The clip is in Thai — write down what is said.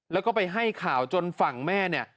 แล้วก็ไปให้ข่าวจนฝั่งแม่เนี่ย